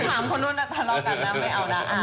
เดี๋ยวถามคนโน้นนะทะเลาะกันนะไม่เอานะ